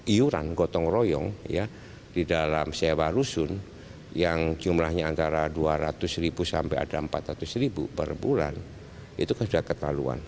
iuran gotong royong ya di dalam sewa rusun yang jumlahnya antara dua ratus ribu sampai ada empat ratus ribu per bulan itu sudah ketahuan